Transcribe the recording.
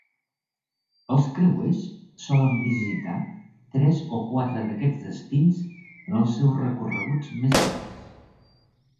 Els creuers solen visitar tres o quatre d'aquests destins en els seus recorreguts més llargs.